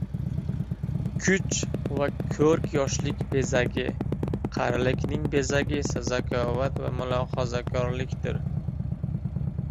Kuch va ko‘rk yoshlik bezagi, qarilikning bezagi esa zakovat va mulohazakorlikdir.